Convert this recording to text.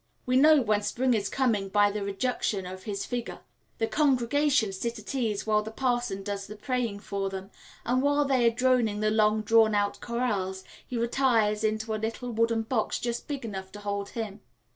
We know when spring is coming by the reduction in his figure. The congregation sit at ease while the parson does the praying for them, and while they are droning the long drawn out chorales, he retires into a little wooden box just big enough to hold him.